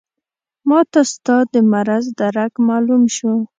ماته ستا د مرض درک معلوم شو.